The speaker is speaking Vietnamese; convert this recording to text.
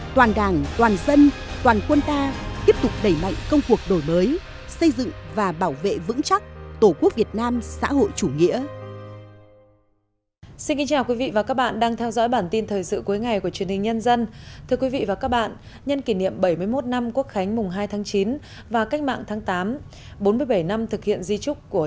toàn đảng toàn dân toàn quân ta tiếp tục đẩy mạnh công cuộc đổi mới xây dựng và bảo vệ vững chắc tổ quốc việt nam xã hội chủ nghĩa